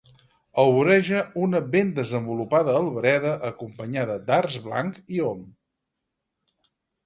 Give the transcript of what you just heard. El voreja una ben desenvolupada albereda, acompanyada d'arç blanc i om.